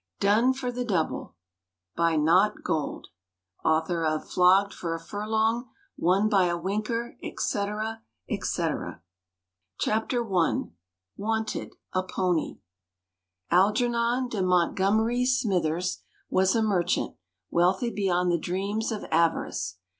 DONE FOR THE DOUBLE by Knott Gold Author of "Flogged for a Furlong", "Won by a Winker", etc., etc. Chapter I. WANTED, A PONY Algernon de Montgomery Smythers was a merchant, wealthy beyond the dreams of avarice.